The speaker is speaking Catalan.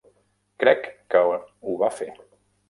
Crec que ho va fer.